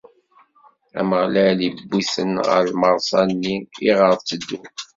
Ameɣlal iwwi-ten ɣer lmeṛsa-nni iɣer tteddun.